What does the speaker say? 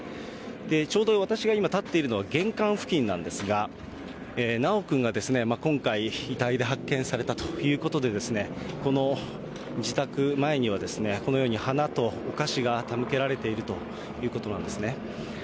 ちょうど私が今、立っているのは玄関付近なんですが、修くんが今回、遺体で発見されたということで、この自宅前には、このように花とお菓子が手向けられているということなんですね。